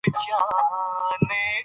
تنوع د افغان کورنیو د دودونو مهم عنصر دی.